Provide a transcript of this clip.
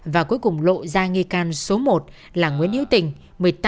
và cuối cùng lộ ra nghi can số một là nguyễn hiếu tình